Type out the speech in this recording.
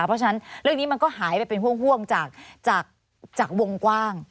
เพราะฉะนั้นเรื่องนี้มันก็หายไปเป็นห่วงจากวงกว้าง